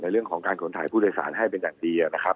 เรื่องของการขนถ่ายผู้โดยสารให้เป็นอย่างดีนะครับ